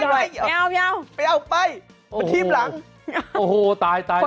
สกิดยิ้ม